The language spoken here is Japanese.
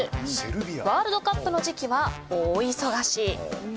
ワールドカップの時期は大忙し。